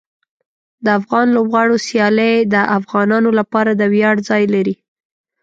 د افغان لوبغاړو سیالۍ د افغانانو لپاره د ویاړ ځای لري.